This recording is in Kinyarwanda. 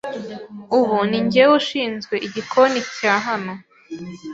ubu ni njyewe ushinzwe igikoni cya hano”